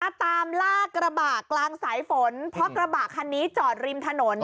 ตามลากกระบะกลางสายฝนเพราะกระบะคันนี้จอดริมถนน